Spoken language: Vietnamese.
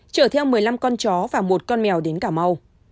trở theo một mươi năm con chó và một con mèo đến cảm âu